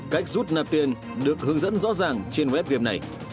cách rút nạp tiền được hướng dẫn rõ ràng trên web viet này